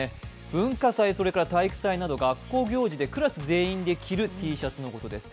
文化祭、体育祭など学校行事で、クラス全員できるクラスＴシャツのことです。